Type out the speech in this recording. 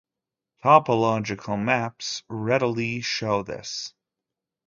Topological maps readily show this.